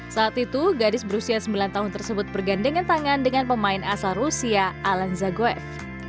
saat itu gadis berusia sembilan tahun tersebut bergandengan tangan dengan pemain asal rusia alan zaguev